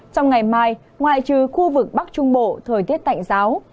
trong ngày mai ngoại trừ khu vực bắc trung bộ thời tiết tạnh giáo